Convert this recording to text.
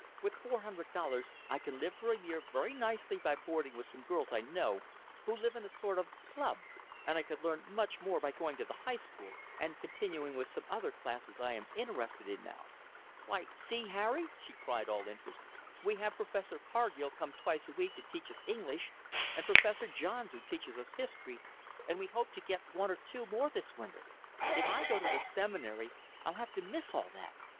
With four hundred dollars I can live for a year very nicely by boarding with some girls I know who live in a sort of a club; and I could learn much more by going to the High School and continuing with some other classes I am interested in now. Why see, Harry!" she cried, all interest. "We have Professor Carghill come twice a week to teach us English, and Professor Johns, who teaches us history, and we hope to get one or two more this winter. If I go to the Seminary, I'll have to miss all that.